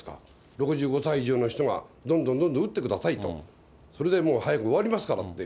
６５歳以上の人がどんどんどんどん打ってくださいと、それでもう早く終わりますからって。